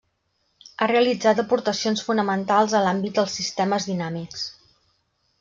Ha realitzat aportacions fonamentals a l'àmbit dels sistemes dinàmics.